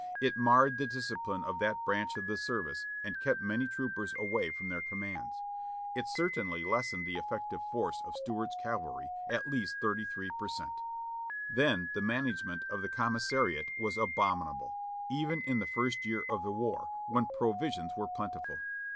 It marred the discipline of that branch of the service and kept many troopers away from their commands. It certainly lessened the effective force of Stuart's cavalry at least 33 per cent. Then the management of the commissariat was abominable, even in the first year of the war. when provisions were plentiful.